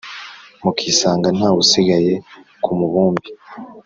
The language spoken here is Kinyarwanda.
Mukisanga ntaw' usigaye kumubumbe